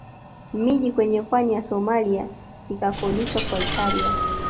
Miji kwenye pwani ya Somalia ikakodishwa kwa Italia